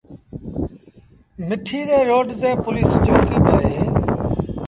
مٺيٚ روڊ تي پوُليٚس چوڪيٚ با اهي۔